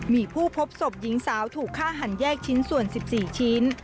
มีผู้พบศพหญิงสาวถูกฆ่าหันแยกชิ้นส่วน๑๔ชิ้น